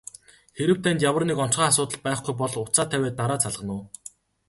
Хэрэв танд ямар нэг онцгой асуудал байхгүй бол утсаа тавиад дараа залгана уу?